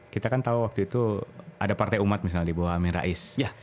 kita kan tahu waktu itu ada partai umat misalnya dibawah amir rais